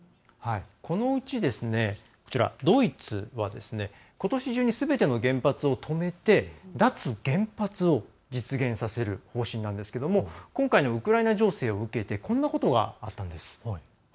このうち、ドイツはことし中にすべての原発を止めて脱原発を実現させる方針なんですけど今回のウクライナ情勢を受けてこんなことがあるんです。